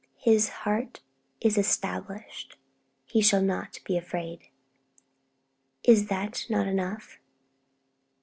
'His heart is established, he shall not be afraid.' Is not that enough?